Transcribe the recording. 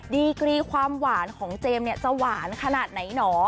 ดีกรีความหวานของเจมส์เนี่ยจะหวานขนาดไหนหนอ